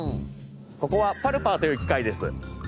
ここはパルパーというきかいです。